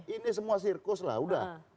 ini semua sirkus lah udah